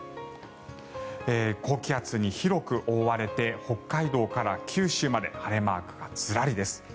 高気圧に広く覆われて北海道から九州まで晴れマークがずらりです。